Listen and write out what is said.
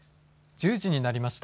１０時になりました。